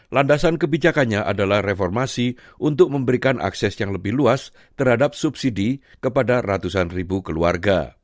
landasan kebijakannya adalah reformasi untuk memberikan akses yang lebih luas terhadap subsidi kepada ratusan ribu keluarga